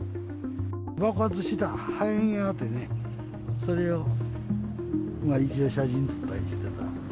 爆発した破片をね、それを写真撮ったりしてた。